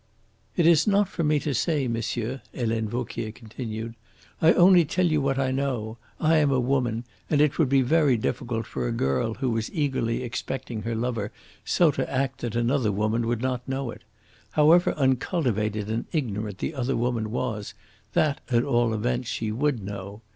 "It is not for me to say, monsieur," Helene Vauquier continued. "I only tell you what I know. I am a woman, and it would be very difficult for a girl who was eagerly expecting her lover so to act that another woman would not know it. However uncultivated and ignorant the other woman was, that at all events she would know.